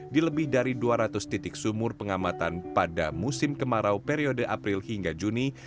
di lebih dari dua ratus titik sumur pengamatan pada musim kemarau periode april hingga juni